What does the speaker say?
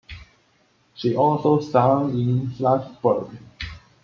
She also sang in Salzburg.